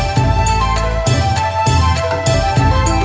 โชว์สี่ภาคจากอัลคาซ่าครับ